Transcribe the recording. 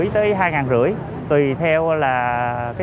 tùy theo là